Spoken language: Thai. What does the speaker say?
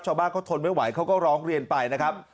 ชาวบ้านเขาทนไม่ไหวเขาก็ร้องเรียนไปนะครับ